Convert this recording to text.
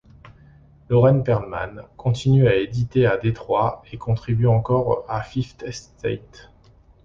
Lorraine Perlman continue à éditer à Détroit et contribue encore à Fifth Estate.